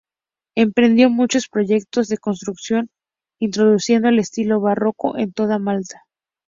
Emprendió muchos proyectos de construcción, introduciendo el estilo barroco en toda Malta.